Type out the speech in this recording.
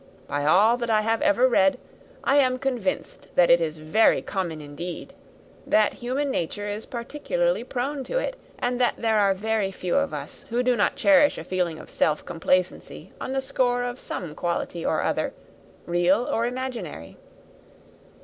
By all that I have ever read, I am convinced that it is very common indeed; that human nature is particularly prone to it, and that there are very few of us who do not cherish a feeling of self complacency on the score of some quality or other, real or imaginary.